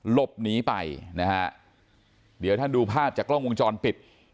หลบหนีไปนะฮะเดี๋ยวท่านดูภาพจากกล้องวงจรปิด